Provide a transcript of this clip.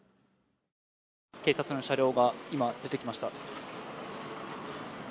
警察の車両が今、出てきました。